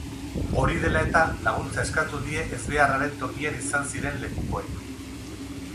Hori dela eta, laguntza eskatu die ezbeharraren tokian izan ziren lekukoei.